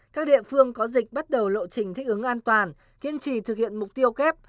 các địa phương có dịch bắt đầu lộ trình thích ứng an toàn kiên trì thực hiện mục tiêu kép